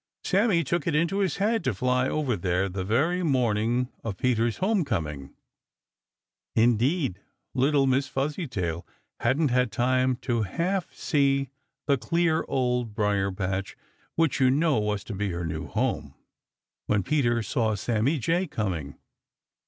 Sammy took it into his head to fly over there the very morning of Peter's home coming. Indeed, little Miss Fuzzytail hadn't had time to half see the clear Old Briar patch which, you know, was to be her new home, when Peter saw Sammy Jay coming.